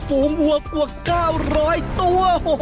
ฝูงวัวกว่า๙๐๐ตัว